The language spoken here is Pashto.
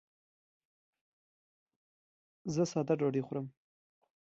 زه ساده ډوډۍ خورم.